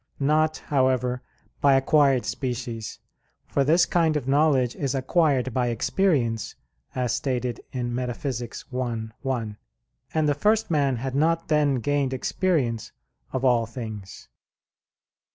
Not, however, by acquired species; for this kind of knowledge is acquired by experience, as stated in Metaph. i, 1; and the first man had not then gained experience of all things.